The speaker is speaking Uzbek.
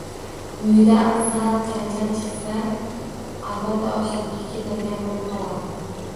Uyida sal janjal chiqsa, albatta oyisinikiga “ketadigan” bo‘lib qoladi.